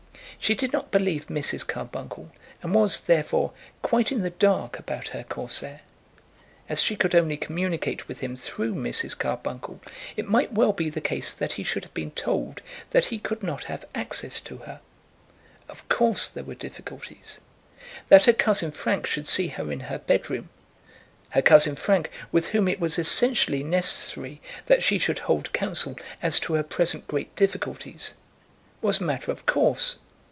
She did not believe Mrs. Carbuncle, and was, therefore, quite in the dark about her Corsair. As she could only communicate with him through Mrs. Carbuncle, it might well be the case that he should have been told that he could not have access to her. Of course there were difficulties. That her cousin Frank should see her in her bedroom, her cousin Frank, with whom it was essentially necessary that she should hold counsel as to her present great difficulties, was a matter of course.